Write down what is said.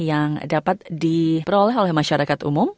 yang dapat diperoleh oleh masyarakat umum